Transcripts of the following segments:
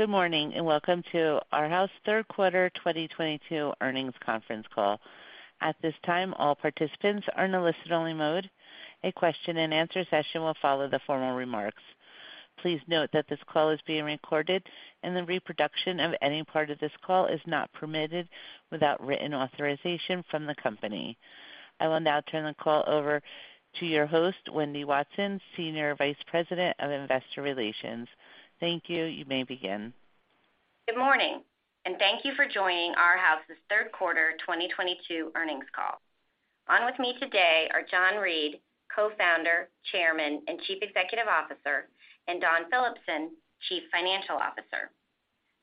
Good morning, and welcome to Arhaus' Third Quarter 2022 Earnings Conference Call. At this time, all participants are in a listen-only mode. A question-and-answer session will follow the formal remarks. Please note that this call is being recorded and the reproduction of any part of this call is not permitted without written authorization from the company. I will now turn the call over to your host, Wendy Watson, Senior Vice President of Investor Relations. Thank you. You may begin. Good morning, and thank you for joining Arhaus' Third Quarter 2022 Earnings Call. On with me today are John Reed, Co-Founder, Chairman, and Chief Executive Officer, and Dawn Phillipson, Chief Financial Officer.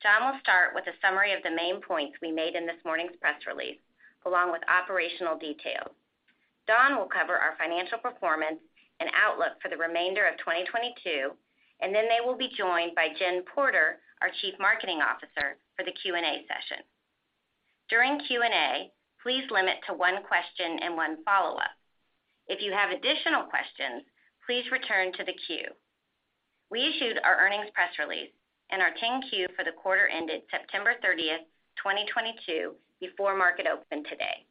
John will start with a summary of the main points we made in this morning's press release, along with operational details. Dawn will cover our financial performance and outlook for the remainder of 2022, and then they will be joined by Jen Porter, our Chief Marketing Officer, for the Q&A session. During Q&A, please limit to one question and one follow-up. If you have additional questions, please return to the queue. We issued our earnings press release and our 10-Q for the quarter ended September 30th, 2022, before market open today.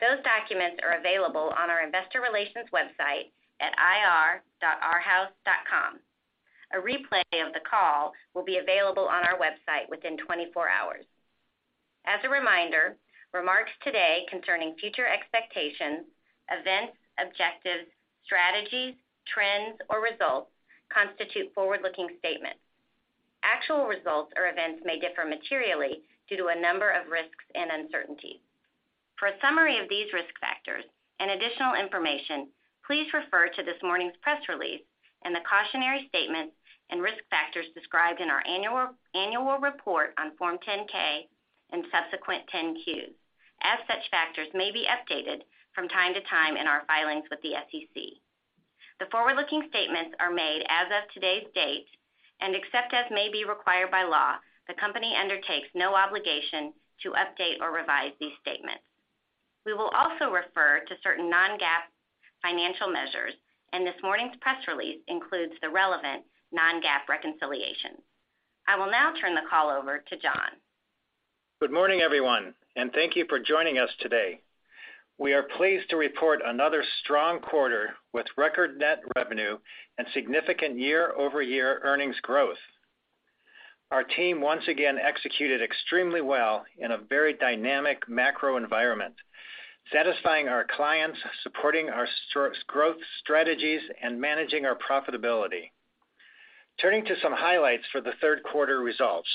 Those documents are available on our investor relations website at ir.arhaus.com. A replay of the call will be available on our website within 24 hours. As a reminder, remarks today concerning future expectations, events, objectives, strategies, trends, or results constitute forward-looking statements. Actual results or events may differ materially due to a number of risks and uncertainties. For a summary of these risk factors and additional information, please refer to this morning's press release and the cautionary statements and risk factors described in our annual report on Form 10-K and subsequent 10-Q, as such factors may be updated from time to time in our filings with the SEC. The forward-looking statements are made as of today's date, and except as may be required by law, the company undertakes no obligation to update or revise these statements. We will also refer to certain non-GAAP financial measures, and this morning's press release includes the relevant non-GAAP reconciliations. I will now turn the call over to John. Good morning, everyone, and thank you for joining us today. We are pleased to report another strong quarter with record net revenue and significant year-over-year earnings growth. Our team once again executed extremely well in a very dynamic macro environment, satisfying our clients, supporting our growth strategies, and managing our profitability. Turning to some highlights for the third quarter results.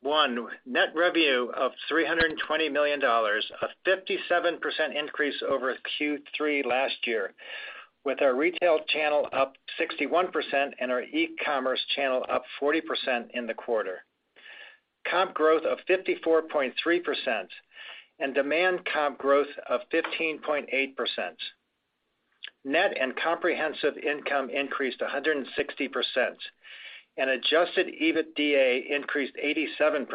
One, net revenue of $320 million, a 57% increase over Q3 last year, with our retail channel up 61% and our e-commerce channel up 40% in the quarter. Comp growth of 54.3% and demand comp growth of 15.8%. Net and comprehensive income increased 160%, and adjusted EBITDA increased 87%.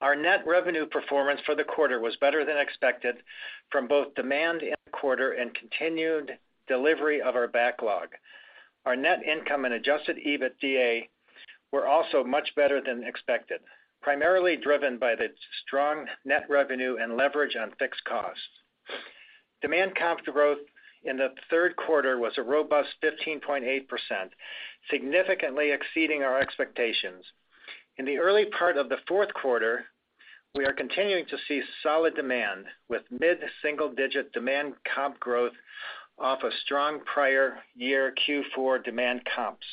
Our net revenue performance for the quarter was better than expected from both demand in the quarter and continued delivery of our backlog. Our net income and adjusted EBITDA were also much better than expected, primarily driven by the strong net revenue and leverage on fixed costs. Demand comp growth in the third quarter was a robust 15.8%, significantly exceeding our expectations. In the early part of the fourth quarter, we are continuing to see solid demand with mid-single-digit demand comp growth off of strong prior year Q4 demand comps.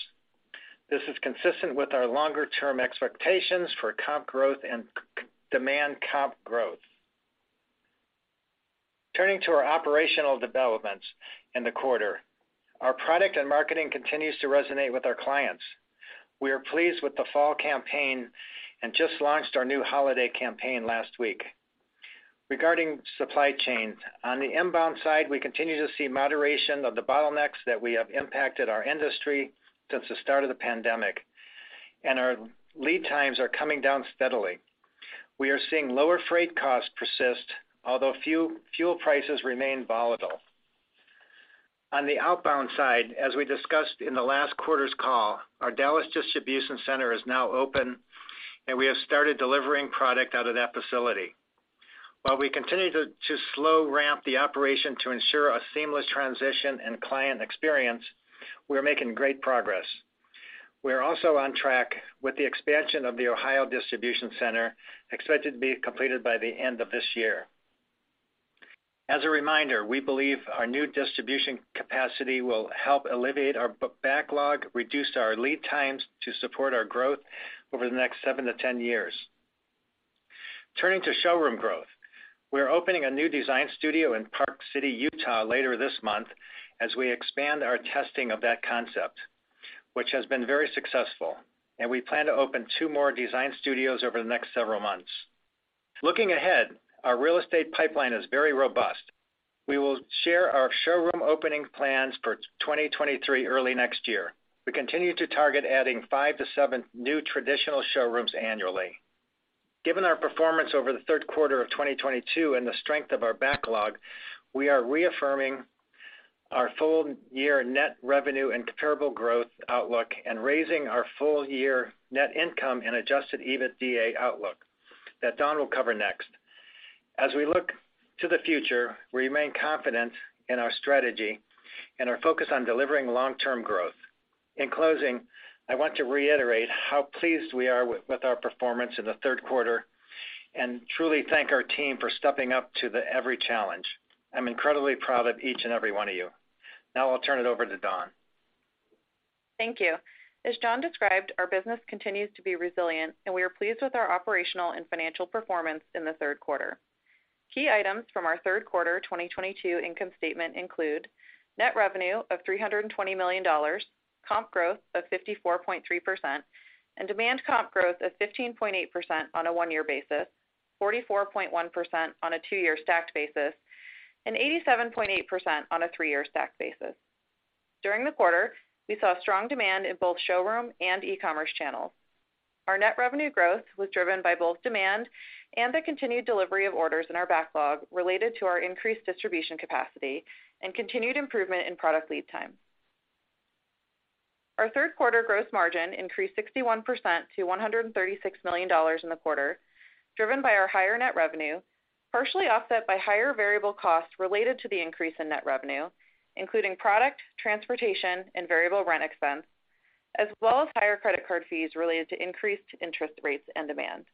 This is consistent with our longer-term expectations for comp growth and demand comp growth. Turning to our operational developments in the quarter. Our product and marketing continues to resonate with our clients. We are pleased with the fall campaign and just launched our new holiday campaign last week. Regarding supply chain, on the inbound side, we continue to see moderation of the bottlenecks that have impacted our industry since the start of the pandemic, and our lead times are coming down steadily. We are seeing lower freight costs persist, although fuel prices remain volatile. On the outbound side, as we discussed in the last quarter's call, our Dallas distribution center is now open, and we have started delivering product out of that facility. While we continue to slowly ramp the operation to ensure a seamless transition and client experience, we are making great progress. We are also on track with the expansion of the Ohio distribution center expected to be completed by the end of this year. As a reminder, we believe our new distribution capacity will help alleviate our backlog, reduce our lead times to support our growth over the next seven to 10 years. Turning to showroom growth. We are opening a new design studio in Park City, Utah, later this month as we expand our testing of that concept, which has been very successful, and we plan to open two more design studios over the next several months. Looking ahead, our real estate pipeline is very robust. We will share our showroom opening plans for 2023 early next year. We continue to target adding five to seven new traditional showrooms annually. Given our performance over the third quarter of 2022 and the strength of our backlog, we are reaffirming our full year net revenue and comparable growth outlook and raising our full year net income and adjusted EBITDA outlook that Dawn will cover next. As we look to the future, we remain confident in our strategy and our focus on delivering long-term growth. In closing, I want to reiterate how pleased we are with our performance in the third quarter and truly thank our team for stepping up to the every challenge. I'm incredibly proud of each and every one of you. Now, I'll turn it over to Dawn. Thank you. As John described, our business continues to be resilient, and we are pleased with our operational and financial performance in the third quarter. Key items from our third quarter 2022 income statement include net revenue of $320 million, comp growth of 54.3%, and demand comp growth of 15.8% on a one-year basis, 44.1% on a two-year stacked basis, and 87.8% on a three-year stacked basis. During the quarter, we saw strong demand in both showroom and e-commerce channels. Our net revenue growth was driven by both demand and the continued delivery of orders in our backlog related to our increased distribution capacity and continued improvement in product lead time. Our third quarter gross margin increased 61% to $136 million in the quarter, driven by our higher net revenue, partially offset by higher variable costs related to the increase in net revenue, including product, transportation, and variable rent expense, as well as higher credit card fees related to increased interest rates and demand.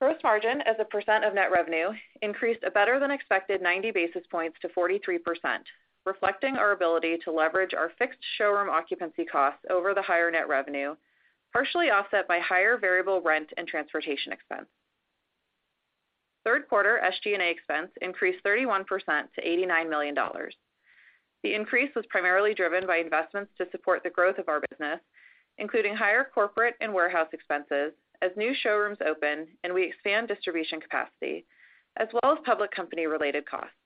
Gross margin as a percent of net revenue increased a better-than-expected 90 basis points to 43%, reflecting our ability to leverage our fixed showroom occupancy costs over the higher net revenue, partially offset by higher variable rent and transportation expense. Third quarter SG&A expense increased 31% to $89 million. The increase was primarily driven by investments to support the growth of our business, including higher corporate and warehouse expenses as new showrooms open and we expand distribution capacity, as well as public company related costs.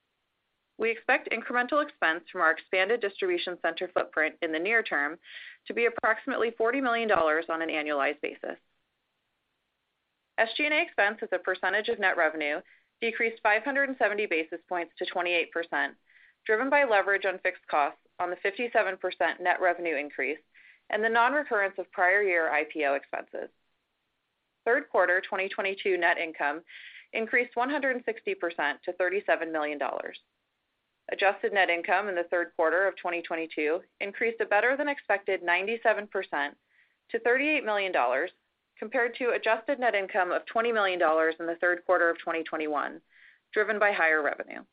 We expect incremental expense from our expanded distribution center footprint in the near term to be approximately $40 million on an annualized basis. SG&A expense as a percentage of net revenue decreased 570 basis points to 28%, driven by leverage on fixed costs on the 57% net revenue increase and the non-recurrence of prior year IPO expenses. Third quarter 2022 net income increased 160% to $37 million. Adjusted net income in the third quarter of 2022 increased a better-than-expected 97% to $38 million compared to adjusted net income of $20 million in the third quarter of 2021, driven by higher revenue.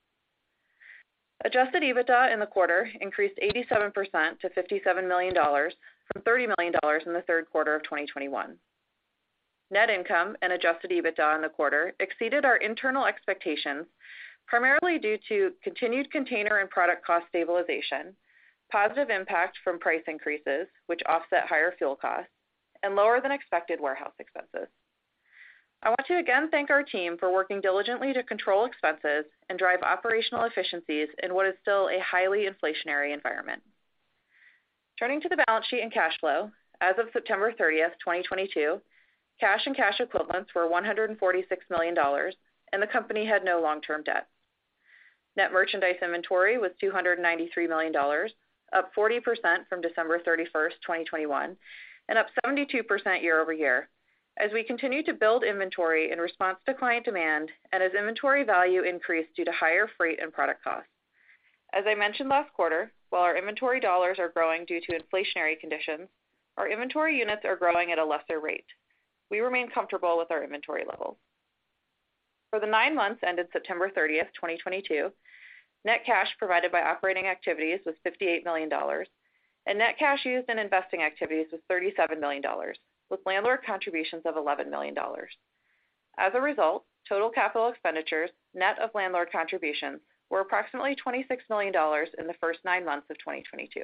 Adjusted EBITDA in the quarter increased 87% to $57 million from $30 million in the third quarter of 2021. Net income and adjusted EBITDA in the quarter exceeded our internal expectations, primarily due to continued container and product cost stabilization, positive impact from price increases, which offset higher fuel costs and lower than expected warehouse expenses. I want to again thank our team for working diligently to control expenses and drive operational efficiencies in what is still a highly inflationary environment. Turning to the balance sheet and cash flow, as of September 30th, 2022, cash and cash equivalents were $146 million and the company had no long-term debt. Net merchandise inventory was $293 million, up 40% from December 31st, 2021, and up 72% year-over-year as we continue to build inventory in response to client demand and as inventory value increased due to higher freight and product costs. As I mentioned last quarter, while our inventory dollars are growing due to inflationary conditions, our inventory units are growing at a lesser rate. We remain comfortable with our inventory levels. For the nine months ended September 30th, 2022, net cash provided by operating activities was $58 million, and net cash used in investing activities was $37 million, with landlord contributions of $11 million. As a result, total capital expenditures, net of landlord contributions, were approximately $26 million in the first nine months of 2022.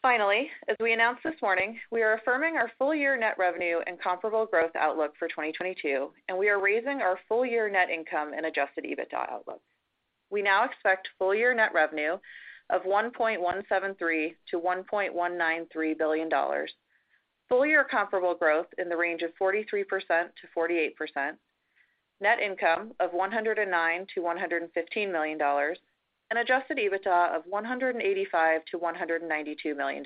Finally, as we announced this morning, we are affirming our full year net revenue and comparable growth outlook for 2022, and we are raising our full year net income and adjusted EBITDA outlook. We now expect full year net revenue of $1.173 billion-$1.193 billion, full year comparable growth in the range of 43%-48%, net income of $109 million-$115 million, and adjusted EBITDA of $185 million-$192 million.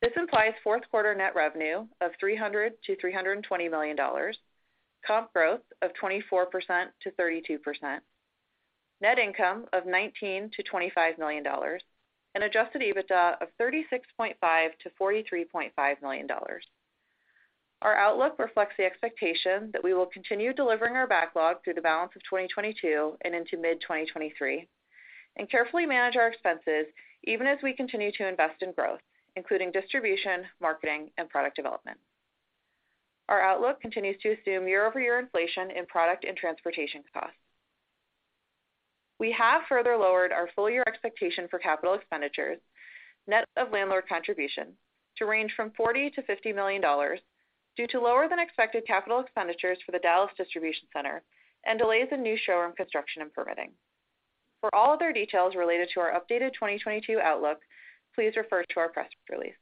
This implies fourth quarter net revenue of $300 million-$320 million, comp growth of 24%-32%, net income of $19 million-$25 million, and adjusted EBITDA of $36.5 million-$43.5 million. Our outlook reflects the expectation that we will continue delivering our backlog through the balance of 2022 and into mid-2023, and carefully manage our expenses even as we continue to invest in growth, including distribution, marketing, and product development. Our outlook continues to assume year-over-year inflation in product and transportation costs. We have further lowered our full year expectation for capital expenditures, net of landlord contribution, to range from $40 million-$50 million due to lower than expected capital expenditures for the Dallas distribution center and delays in new showroom construction and permitting. For all other details related to our updated 2022 outlook, please refer to our press release.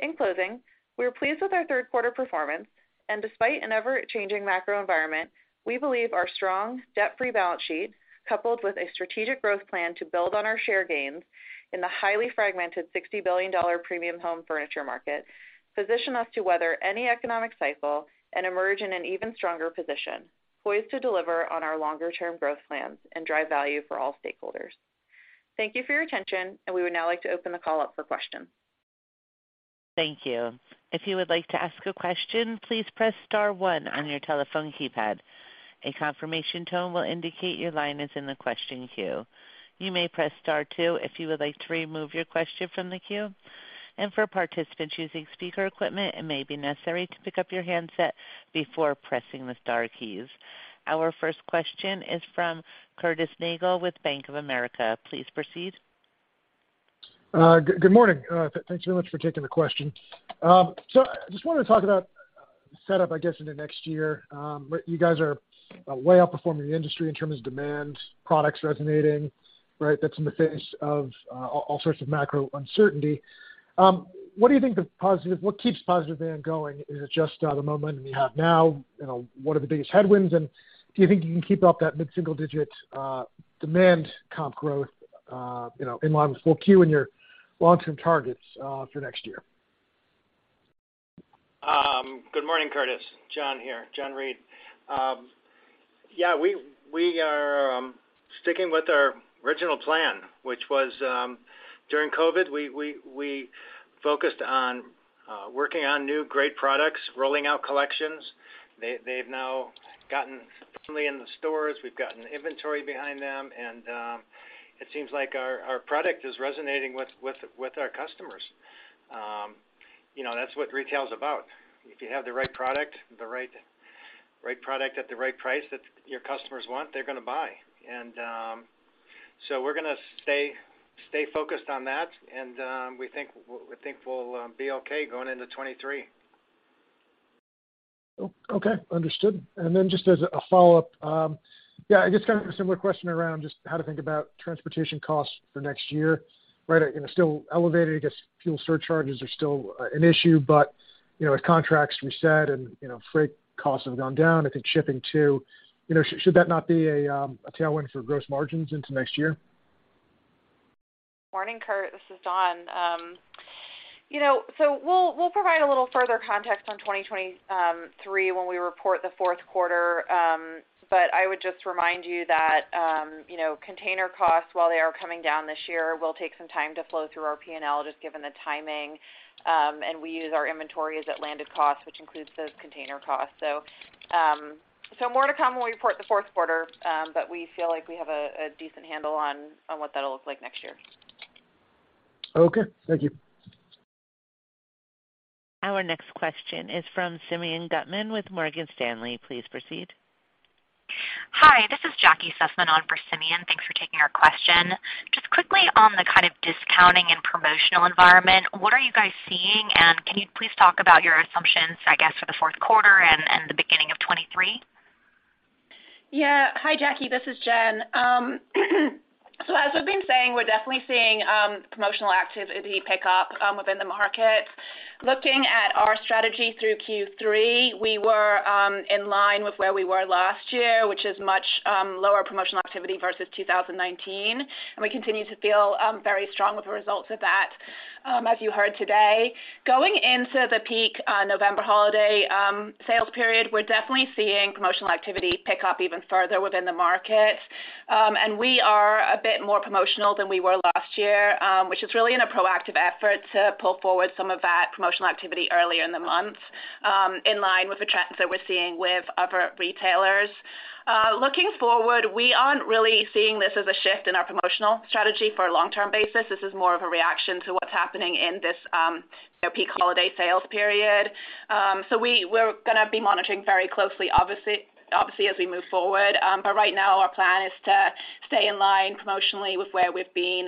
In closing, we are pleased with our third quarter performance and despite an ever-changing macro environment, we believe our strong debt-free balance sheet coupled with a strategic growth plan to build on our share gains in the highly fragmented $60 billion premium home furniture market position us to weather any economic cycle and emerge in an even stronger position, poised to deliver on our longer-term growth plans and drive value for all stakeholders. Thank you for your attention, and we would now like to open the call up for questions. Thank you. If you would like to ask a question, please press star one on your telephone keypad. A confirmation tone will indicate your line is in the question queue. You may press star two if you would like to remove your question from the queue. For participants using speaker equipment, it may be necessary to pick up your handset before pressing the star keys. Our first question is from Curtis Nagle with Bank of America. Please proceed. Good morning. Thanks very much for taking the question. I just wanted to talk about setup, I guess, into next year. You guys are way outperforming the industry in terms of demand, products resonating, right? That's in the face of all sorts of macro uncertainty. What do you think keeps positive demand going? Is it just the momentum you have now? You know, what are the biggest headwinds? Do you think you can keep up that mid-single digit demand comp growth, you know, in line with 4Q and your long-term targets for next year? Good morning, Curtis. John here, John Reed. We are sticking with our original plan, which was, during COVID, we focused on working on new great products, rolling out collections. They've now gotten fully in the stores. We've gotten inventory behind them and it seems like our product is resonating with our customers. You know, that's what retail is about. If you have the right product at the right price that your customers want, they're gonna buy. We're gonna stay focused on that, and we think we'll be okay going into 2023. Oh, okay. Understood. Just as a follow-up, yeah, I guess kind of a similar question around just how to think about transportation costs for next year, right? You know, still elevated. I guess fuel surcharges are still an issue. You know, as contracts reset and, you know, freight costs have gone down, I think shipping too. You know, should that not be a tailwind for gross margins into next year? Morning, Curtis. This is Dawn. You know, we'll provide a little further context on 2023 when we report the fourth quarter. I would just remind you that you know, container costs, while they are coming down this year, will take some time to flow through our P&L, just given the timing. We use our inventory as that landed cost, which includes those container costs. More to come when we report the fourth quarter. We feel like we have a decent handle on what that'll look like next year. Okay. Thank you. Our next question is from Simeon Gutman with Morgan Stanley. Please proceed. Hi, this is Jackie Sussman on for Simeon. Thanks for taking our question. Just quickly on the kind of discounting and promotional environment, what are you guys seeing? Can you please talk about your assumptions, I guess, for the fourth quarter and the beginning of 2023? Yeah. Hi, Jackie, this is Jen Porter. As we've been saying, we're definitely seeing promotional activity pick up within the market. Looking at our strategy through Q3, we were in line with where we were last year, which is much lower promotional activity versus 2019, and we continue to feel very strong with the results of that, as you heard today. Going into the peak November holiday sales period, we're definitely seeing promotional activity pick up even further within the market. We are a bit more promotional than we were last year, which is really in a proactive effort to pull forward some of that promotional activity earlier in the month, in line with the trends that we're seeing with other retailers. Looking forward, we aren't really seeing this as a shift in our promotional strategy for a long-term basis. This is more of a reaction to what's happening in this, you know, peak holiday sales period. We're gonna be monitoring very closely, obviously as we move forward. Right now, our plan is to stay in line promotionally with where we've been,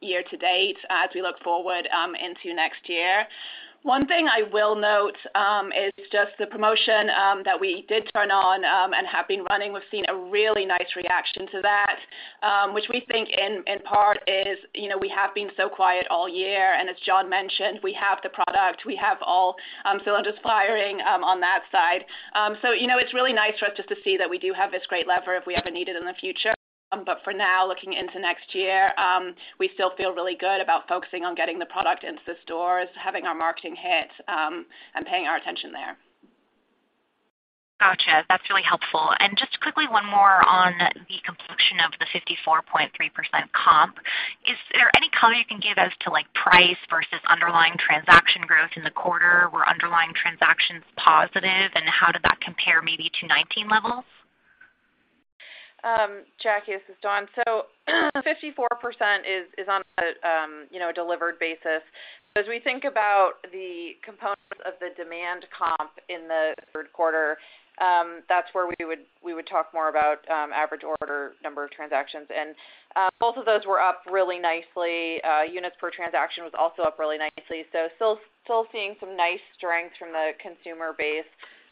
year to date as we look forward, into next year. One thing I will note is just the promotion that we did turn on and have been running. We've seen a really nice reaction to that, which we think in part is, you know, we have been so quiet all year, and as John mentioned, we have the product. We have all cylinders firing on that side. You know, it's really nice for us just to see that we do have this great lever if we ever need it in the future. For now, looking into next year, we still feel really good about focusing on getting the product into the stores, having our marketing hit, and paying our attention there. Gotcha. That's really helpful. Just quickly, one more on the completion of the 54.3% comp. Is there any color you can give as to, like, price versus underlying transaction growth in the quarter? Were underlying transactions positive, and how did that compare maybe to 2019 levels? Jackie, this is Dawn. 54% percent is on a you know, delivered basis. As we think about the components of the demand comp in the third quarter, that's where we would talk more about average order number of transactions. Both of those were up really nicely. Units per transaction was also up really nicely. Still seeing some nice strength from the consumer base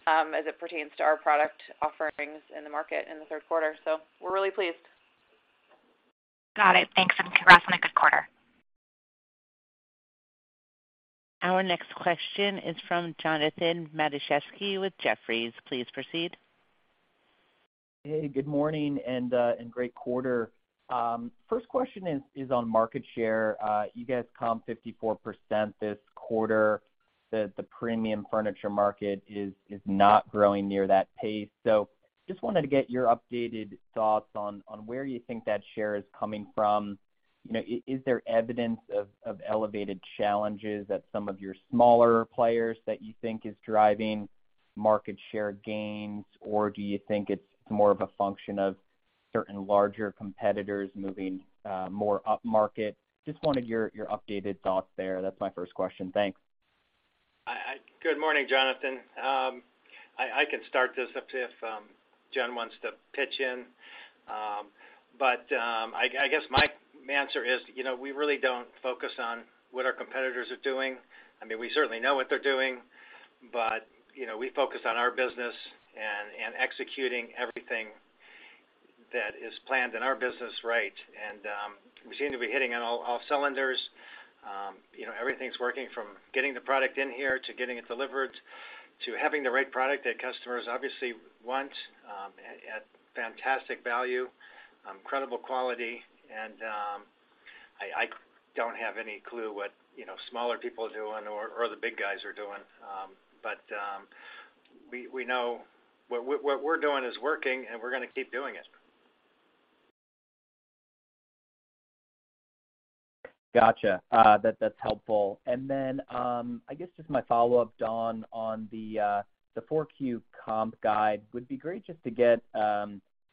as it pertains to our product offerings in the market in the third quarter. We're really pleased. Got it. Thanks, and congrats on a good quarter. Our next question is from Jonathan Matuszewski with Jefferies. Please proceed. Hey, good morning and great quarter. First question is on market share. You guys comp 54% this quarter. The premium furniture market is not growing near that pace. Just wanted to get your updated thoughts on where you think that share is coming from. You know, is there evidence of elevated challenges at some of your smaller players that you think is driving market share gains, or do you think it's more of a function of certain larger competitors moving more upmarket? Just wanted your updated thoughts there. That's my first question. Thanks. Good morning, Jonathan. I can start this up if Jen wants to pitch in. I guess my answer is, you know, we really don't focus on what our competitors are doing. I mean, we certainly know what they're doing, but you know, we focus on our business and executing everything that is planned in our business right. We seem to be hitting on all cylinders. You know, everything's working from getting the product in here to getting it delivered, to having the right product that customers obviously want, at fantastic value, credible quality. I don't have any clue what, you know, smaller people are doing or the big guys are doing. We know what we're doing is working, and we're gonna keep doing it. Gotcha. That's helpful. I guess just my follow-up, Dawn, on the 4Q comp guide. Would be great just to get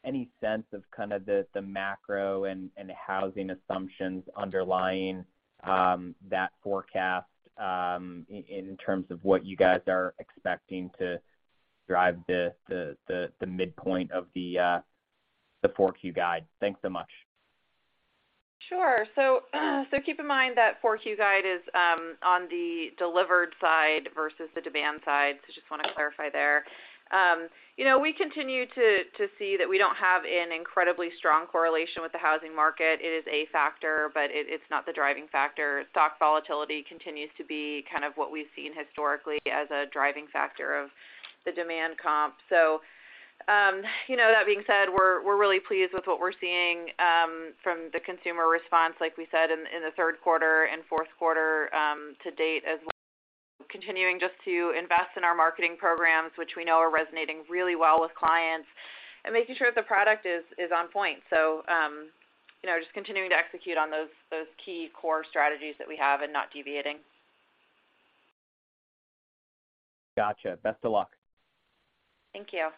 any sense of kind of the macro and housing assumptions underlying that forecast in terms of what you guys are expecting to drive the midpoint of the 4Q guide. Thanks so much. Sure. Keep in mind that 4Q guide is on the delivered side versus the demand side. Just wanna clarify there. You know, we continue to see that we don't have an incredibly strong correlation with the housing market. It is a factor, but it's not the driving factor. Stock volatility continues to be kind of what we've seen historically as a driving factor of the demand comp. You know, that being said, we're really pleased with what we're seeing from the consumer response, like we said, in the third quarter and fourth quarter to date as continuing just to invest in our marketing programs, which we know are resonating really well with clients and making sure that the product is on point. You know, just continuing to execute on those key core strategies that we have and not deviating. Gotcha. Best of luck. Thank you.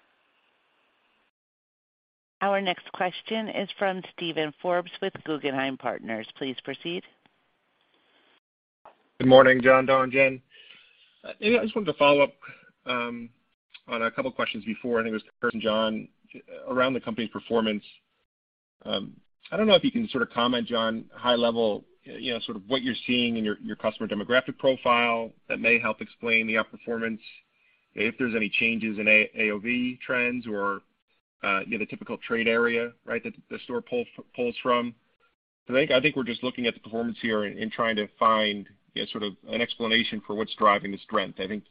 Our next question is from Steven Forbes with Guggenheim Partners. Please proceed. Good morning, John, Dawn, Jen. I just wanted to follow up on a couple of questions before. I think it was John around the company's performance. I don't know if you can sort of comment, John, high level, you know, sort of what you're seeing in your customer demographic profile that may help explain the outperformance, if there's any changes in AOV trends or, you know, the typical trade area, right, that the store pulls from. I think we're just looking at the performance here and trying to find sort of an explanation for what's driving the strength. I think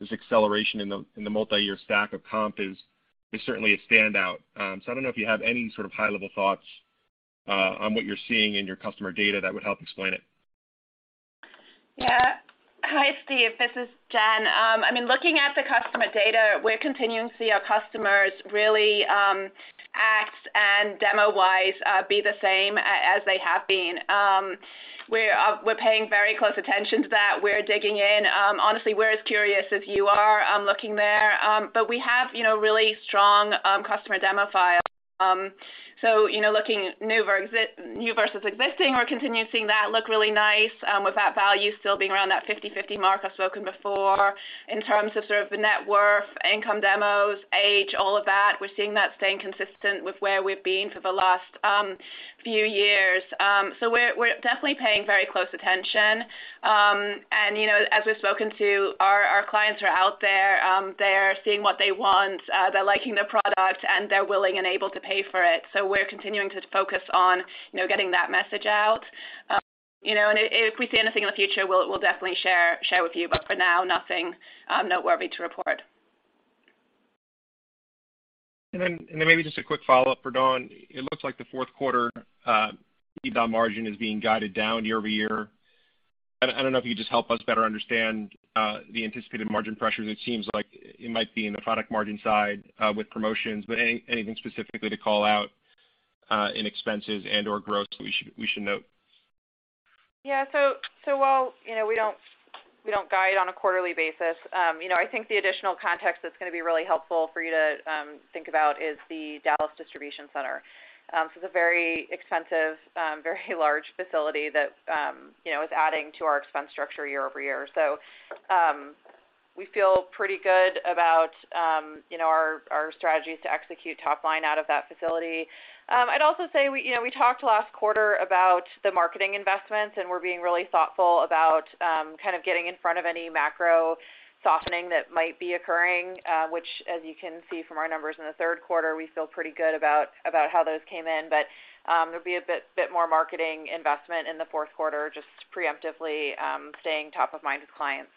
this acceleration in the multi-year stack of comp is certainly a standout. I don't know if you have any sort of high-level thoughts on what you're seeing in your customer data that would help explain it. Yeah. Hi, Steven. This is Jen. I mean, looking at the customer data, we're continuing to see our customers really affluent and demo-wise be the same as they have been. We're paying very close attention to that. We're digging in. Honestly, we're as curious as you are looking there. But we have, you know, really strong customer demo files. So, you know, looking new versus existing, we're continuing to see that look really nice with that value still being around that 50/50 mark I've spoken before. In terms of sort of the net worth, income demos, age, all of that, we're seeing that staying consistent with where we've been for the last few years. So we're definitely paying very close attention. You know, as we've spoken to our clients are out there, they're seeing what they want, they're liking the product and they're willing and able to pay for it. We're continuing to focus on, you know, getting that message out. You know, if we see anything in the future, we'll definitely share with you. For now, nothing noteworthy to report. Maybe just a quick follow-up for Dawn. It looks like the fourth quarter EBITDA margin is being guided down year-over-year. I don't know if you could just help us better understand the anticipated margin pressure that seems like it might be in the product margin side with promotions, but anything specifically to call out in expenses and or growth we should note. Yeah. While, you know, we don't guide on a quarterly basis, you know, I think the additional context that's gonna be really helpful for you to think about is the Dallas distribution center. It's a very expensive, very large facility that, you know, is adding to our expense structure year-over-year. We feel pretty good about, you know, our strategies to execute top line out of that facility. I'd also say we, you know, we talked last quarter about the marketing investments, and we're being really thoughtful about kind of getting in front of any macro softening that might be occurring, which as you can see from our numbers in the third quarter, we feel pretty good about how those came in. There'll be a bit more marketing investment in the fourth quarter, just preemptively, staying top of mind with clients.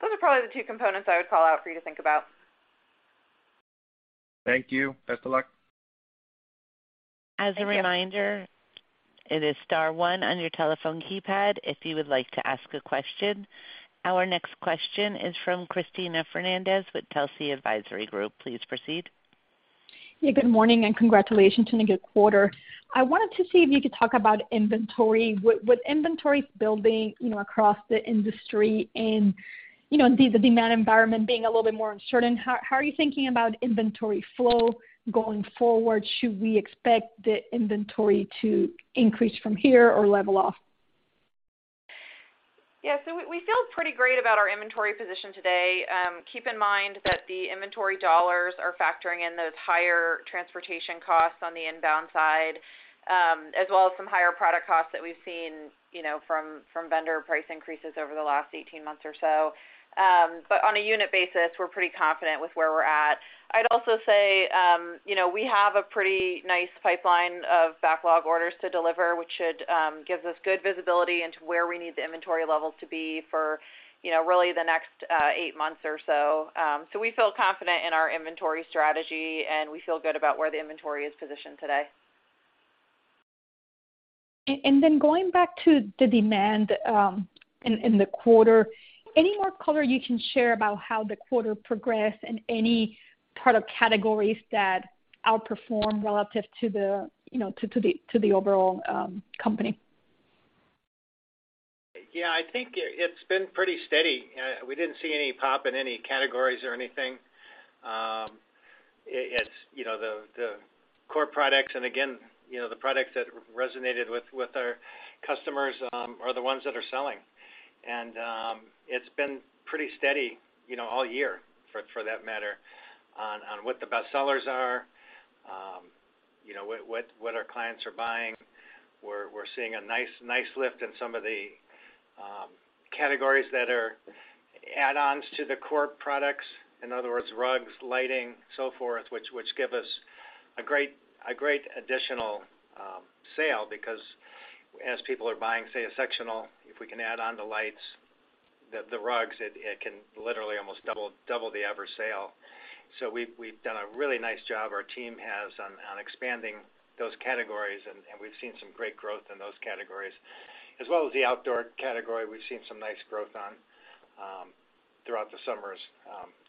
Those are probably the two components I would call out for you to think about. Thank you. Best of luck. As a reminder, it is star one on your telephone keypad if you would like to ask a question. Our next question is from Cristina Fernandez with Telsey Advisory Group. Please proceed. Yeah, good morning and congratulations on a good quarter. I wanted to see if you could talk about inventory. With inventory building, you know, across the industry and, you know, the demand environment being a little bit more uncertain, how are you thinking about inventory flow going forward? Should we expect the inventory to increase from here or level off? Yeah. We feel pretty great about our inventory position today. Keep in mind that the inventory dollars are factoring in those higher transportation costs on the inbound side, as well as some higher product costs that we've seen, you know, from vendor price increases over the last 18 months or so. But on a unit basis, we're pretty confident with where we're at. I'd also say, you know, we have a pretty nice pipeline of backlog orders to deliver, which should gives us good visibility into where we need the inventory levels to be for, you know, really the next, eight months or so. We feel confident in our inventory strategy, and we feel good about where the inventory is positioned today. Going back to the demand in the quarter, any more color you can share about how the quarter progressed and any product categories that outperformed relative to the, you know, to the overall company? Yeah, I think it's been pretty steady. We didn't see any pop in any categories or anything. It's, you know, the core products and again, you know, the products that resonated with our customers are the ones that are selling. It's been pretty steady, you know, all year for that matter on what the best sellers are, you know, what our clients are buying. We're seeing a nice lift in some of the categories that are add-ons to the core products. In other words, rugs, lighting, so forth, which give us a great additional sale because as people are buying, say, a sectional, if we can add on the lights, the rugs, it can literally almost double the average sale. We've done a really nice job, our team has on expanding those categories, and we've seen some great growth in those categories. As well as the outdoor category, we've seen some nice growth throughout the summers.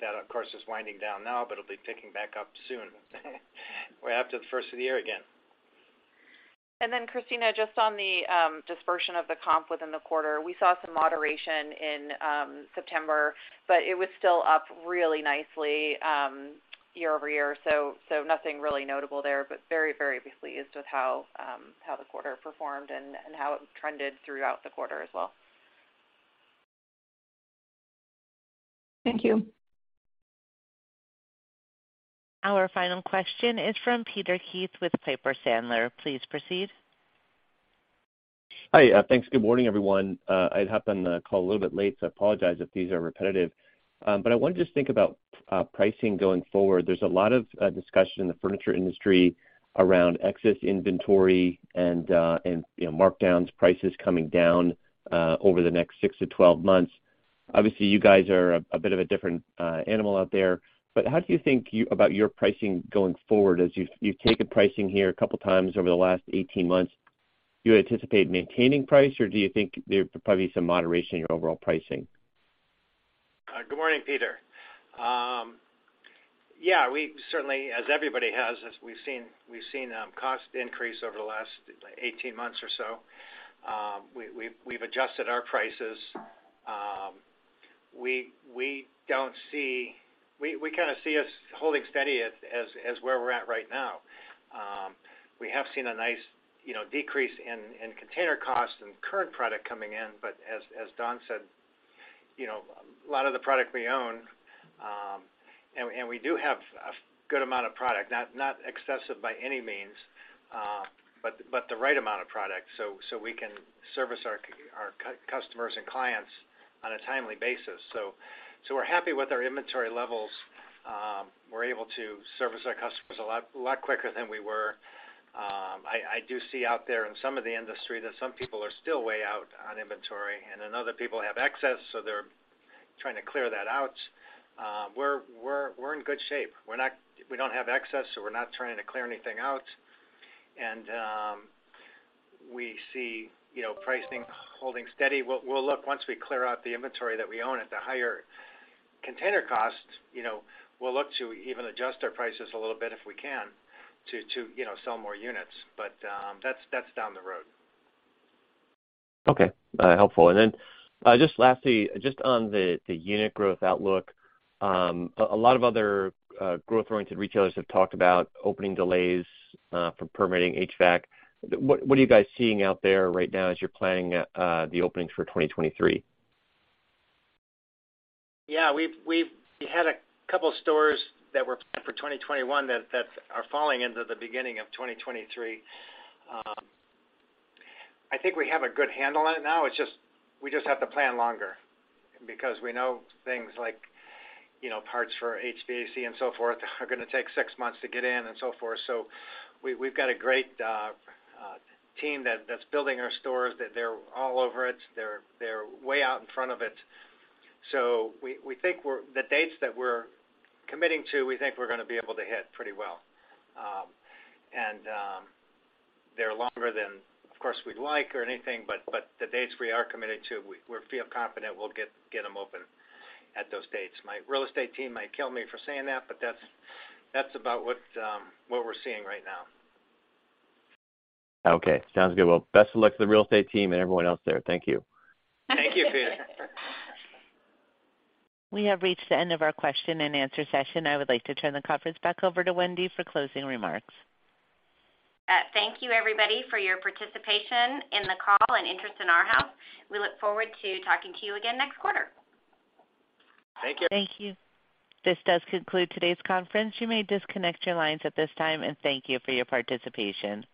That of course is winding down now, but it'll be picking back up soon way after the first of the year again. Cristina, just on the dispersion of the comp within the quarter. We saw some moderation in September, but it was still up really nicely year-over-year. So nothing really notable there, but very, very pleased with how the quarter performed and how it trended throughout the quarter as well. Thank you. Our final question is from Peter Keith with Piper Sandler. Please proceed. Hi. Thanks. Good morning, everyone. I happened to call a little bit late, so I apologize if these are repetitive. I want to just think about pricing going forward. There's a lot of discussion in the furniture industry around excess inventory and, you know, markdowns, prices coming down over the next six to 12 months. Obviously, you guys are a bit of a different animal out there, but how do you think about your pricing going forward as you've taken pricing here a couple times over the last 18 months? Do you anticipate maintaining price, or do you think there'll probably be some moderation in your overall pricing? Good morning, Peter. Yeah, we certainly, as everybody has, as we've seen, cost increase over the last 18 months or so. We've adjusted our prices. We don't see. We kinda see us holding steady as where we're at right now. We have seen a nice, you know, decrease in container costs and current product coming in. But as Dawn said, you know, a lot of the product we own, and we do have a good amount of product, not excessive by any means, but the right amount of product, so we can service our customers and clients on a timely basis. We're happy with our inventory levels. We're able to service our customers a lot quicker than we were. I do see out there in some of the industry that some people are still way out on inventory, and then other people have excess, so they're trying to clear that out. We're in good shape. We don't have excess, so we're not trying to clear anything out. We see, you know, pricing holding steady. We'll look once we clear out the inventory that we own at the higher container cost. You know, we'll look to even adjust our prices a little bit if we can to you know sell more units. That's down the road. Okay. Helpful. Just lastly, just on the unit growth outlook, a lot of other growth-oriented retailers have talked about opening delays from permitting HVAC. What are you guys seeing out there right now as you're planning the openings for 2023? Yeah. We had a couple stores that were planned for 2021 that are falling into the beginning of 2023. I think we have a good handle on it now. It's just we just have to plan longer because we know things like, you know, parts for HVAC and so forth are gonna take six months to get in and so forth. We've got a great team that's building our stores that they're all over it. They're way out in front of it. The dates that we're committing to, we think we're gonna be able to hit pretty well. They're longer than, of course, we'd like or anything, but the dates we are committing to, we feel confident we'll get them open at those dates. My real estate team might kill me for saying that, but that's about what we're seeing right now. Okay. Sounds good. Well, best of luck to the real estate team and everyone else there. Thank you. Thank you, Peter. We have reached the end of our question and answer session. I would like to turn the conference back over to Wendy for closing remarks. Thank you everybody for your participation in the call and interest in Arhaus. We look forward to talking to you again next quarter. Thank you. Thank you. This does conclude today's conference. You may disconnect your lines at this time, and thank you for your participation.